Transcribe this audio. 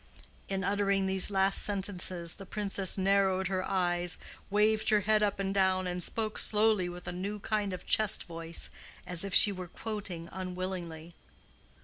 '" In uttering these last sentences the Princess narrowed her eyes, waved her head up and down, and spoke slowly with a new kind of chest voice, as if she were quoting unwillingly.